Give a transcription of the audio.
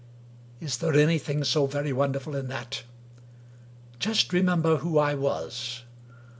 Is there anything so very wonderful in that? Just remember who I was.